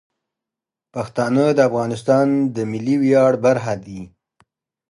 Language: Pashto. پښتانه د افغانستان د ملي ویاړ برخه دي.